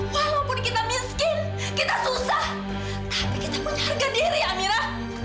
walaupun kita miskin kita susah tapi kita mengharga diri amira